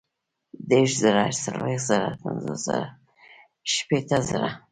دېرش زره ، څلوېښت زره ، پنځوس زره ، شپېته زره